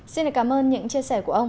xin cảm ơn những chia sẻ của ông